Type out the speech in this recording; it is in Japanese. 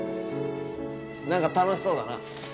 何か楽しそうだな。